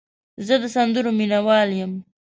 زه د سندرو مینه وال یم.